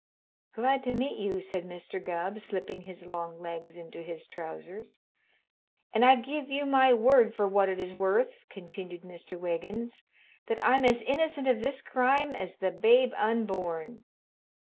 "Glad to meet you," said Mr. Gubb, slipping his long legs into his trousers. "And I give you my word for what it is worth," continued Mr. Wiggins, "that I'm as innocent of this crime as the babe unborn."